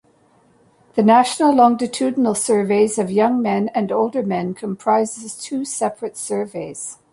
The National Longitudinal Surveys of Young Men and Older Men comprises two separate surveys.